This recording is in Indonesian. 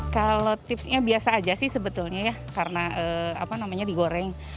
kalau tipsnya biasa aja sih sebetulnya ya karena apa namanya digoreng